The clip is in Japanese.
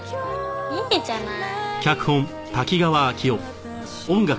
いいじゃない。